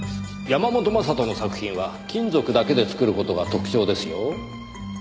山本将人の作品は金属だけで作る事が特徴ですよ。